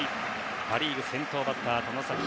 パ・リーグ先頭バッター、外崎。